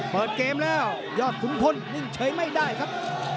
เปิดเกมแล้วยอดขุนพลนิ่งเฉยไม่ได้ครับ